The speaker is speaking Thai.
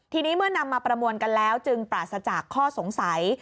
ทีนี้เมื่อนำมาประมวลกันแล้วจึงปราศจากข้อสงสัย